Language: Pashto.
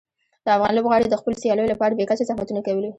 افغان لوبغاړي د خپلو سیالیو لپاره بې کچه زحمتونه کوي.